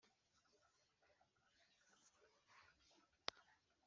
kuko bitubwira ibitekerezo byinshi